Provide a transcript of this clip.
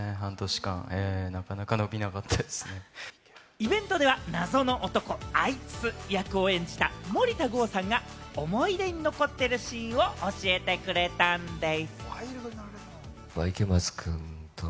イベントでは謎の男・あいつ役を演じた森田剛さんが、思い出に残っているシーンを教えてくれたんでぃす。